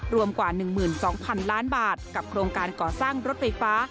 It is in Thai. รวมกว่า๑๒๐๐๐ล้านบาทกับโครงการก่อสร้างรถไฟฟ้า